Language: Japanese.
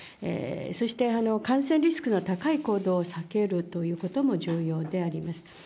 そして、感染リスクが高い行動を避けるということも重要であります。